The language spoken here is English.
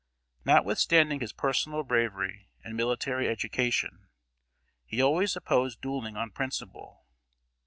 Notwithstanding his personal bravery and military education, he always opposed dueling on principle.